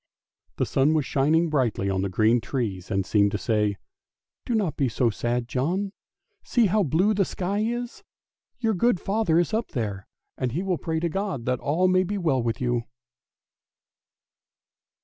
The sun was shining brightly on the green trees, and seemed to say, " Do not be so sad, John! See how blue the sky is; your good father is up there, and he will pray to God that all may be well with you."